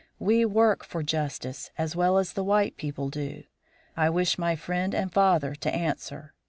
We work for justice, as well as the white people do. I wish my friend and father to answer.